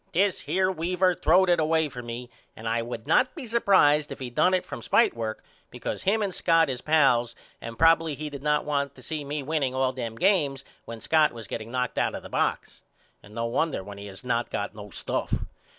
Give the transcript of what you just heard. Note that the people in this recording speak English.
This here Weaver throwed it away for me and I would not be surprised if he done it from spitework because him and Scott is pals and probily he did not want to see me winning all them games when Scott was getting knocked out of the box. And no wonder when he has not got no stuff.